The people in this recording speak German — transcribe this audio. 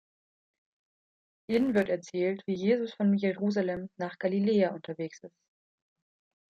In wird erzählt, wie Jesus von Jerusalem nach Galiläa unterwegs ist.